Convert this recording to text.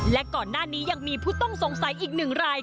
และก่อนหน้านี้ยังมีผู้ต้องสงสัยอีกหนึ่งราย